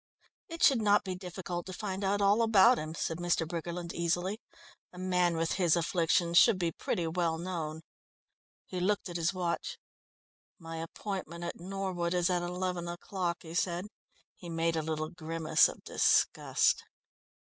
"It should not be difficult to find out all about him," said Mr. Briggerland easily. "A man with his afflictions should be pretty well known." He looked at his watch. "My appointment at Norwood is at eleven o'clock," he said. He made a little grimace of disgust.